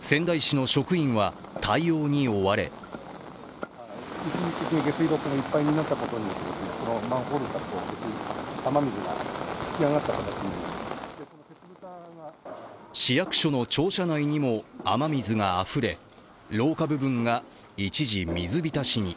仙台市の職員は対応に追われ市役所の庁舎内にも雨水があふれ廊下部分が一時、水浸しに。